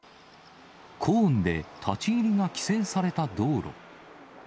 コーンで立ち入りが規制された道路。